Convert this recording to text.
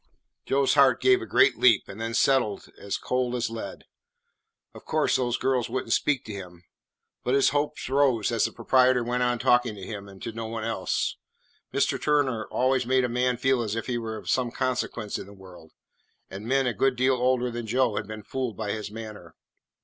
Joe's heart gave a great leap, and then settled as cold as lead. Of course, those girls would n't speak to him. But his hopes rose as the proprietor went on talking to him and to no one else. Mr. Turner always made a man feel as if he were of some consequence in the world, and men a good deal older than Joe had been fooled by his manner.